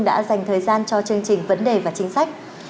đã dành thời gian cho chương trình vấn đề và chính sách